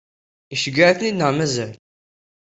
Iceggeɛ-iten-id neɣ mazal?